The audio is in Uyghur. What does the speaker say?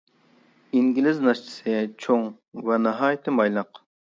ئىنگلىز ناشتىسى چوڭ ۋە ناھايىتى مايلىق.